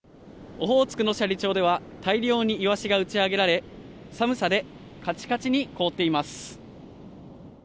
オホーツクの斜里町では、大量にイワシが打ち上げられ、寒さでかちかちに凍っています。